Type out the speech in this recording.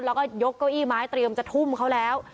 แล้วก็ยกเก้าอี้ไม้เตรียมจะทุ่มเขาแล้ว